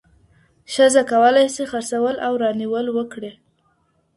ښځه کولای سی، خرڅول او رانيول وکړي.